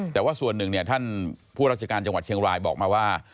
แต่ว่าส่วนหนึ่งเนี่ยท่านผู้ราชการจังหวัดเชียงรายบอกมาว่า